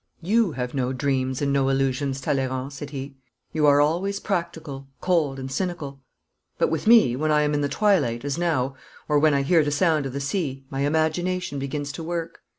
'You have no dreams and no illusions, Talleyrand,' said he. 'You are always practical, cold, and cynical. But with me, when I am in the twilight, as now, or when I hear the sound of the sea, my imagination begins to work.